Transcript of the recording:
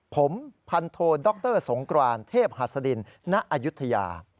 ผมพันโทดรสงกรานเทพหัสดินณอายุทยา